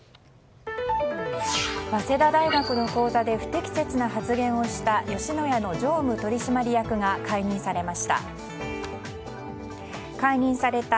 早稲田大学の講座で不適切な発言をした吉野家の常務取締役が解任されました。